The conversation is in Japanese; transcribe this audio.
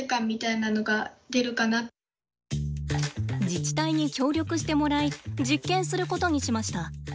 自治体に協力してもらい実験することにしました。